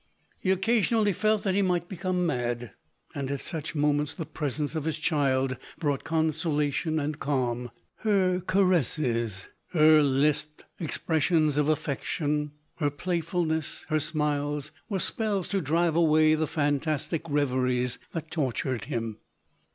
k 2 196 LODOKE. lie occasionally felt that he might become mad, and at such moments, the presence of his child brought consolation and calm ; her caresses, her lisped expressions of affection, her playful ness, her smiles, were spells to drive away the fan tastic reveries that tortured him.